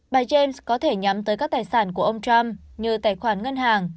bài james có thể nhắm tới các tài sản của ông trump như tài khoản ngân hàng